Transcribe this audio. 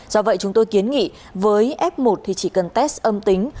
do vậy chúng tôi kiến nghị với f một thì chỉ cần test âm tính